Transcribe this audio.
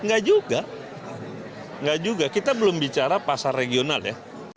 enggak juga enggak juga kita belum bicara pasar regional ya